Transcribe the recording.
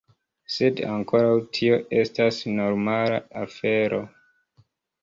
Sed ankoraŭ tio estas normala afero.